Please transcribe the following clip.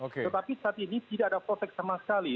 tetapi saat ini tidak ada protek sama sekali